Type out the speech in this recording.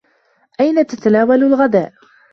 أين تتناول الغذاء؟